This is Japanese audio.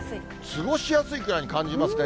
過ごしやすいくらいに感じますね。